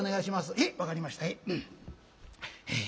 「へえ分かりましたへえ。